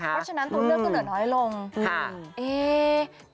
เพราะฉะนั้นตัวเลือกก็เหลือน้อยลง